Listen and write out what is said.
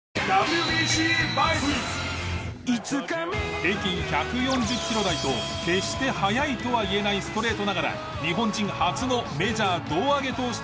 平均１４０キロ台と決して速いとは言えないストレートながら日本人初のメジャー胴上げ投手となった上原。